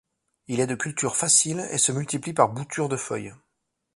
Il est de culture facile et se multiplie par bouture de feuille.